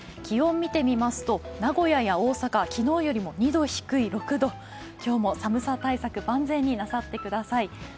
気温見てみますと名古屋や大阪、昨日より２度低い６度、今日も寒さ対策、万全になさってください。